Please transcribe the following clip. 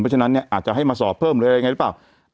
เพราะฉะนั้นเนี่ยอาจจะให้มาสอบเพิ่มหรืออะไรไงหรือเปล่า